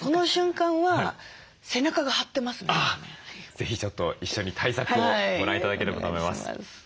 是非ちょっと一緒に対策をご覧頂ければと思います。